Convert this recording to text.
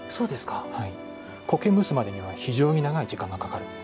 苔むすまでには非常に長い時間がかかる。